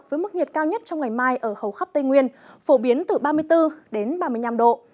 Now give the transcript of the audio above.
với mức nhiệt cao nhất trong ngày mai ở hầu khắp tây nguyên phổ biến từ ba mươi bốn đến ba mươi năm độ